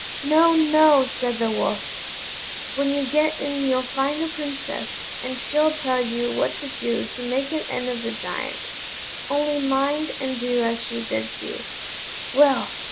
"No! no!" said the Wolf; "when you get in you'll find a Princess, and she'll tell you what to do to make an end of the Giant. Only mind and do as she bids you." Well!